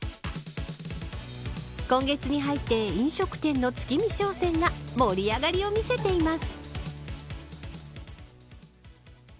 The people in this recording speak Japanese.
今月に入って飲食店の月見商戦が盛り上がりを見せています。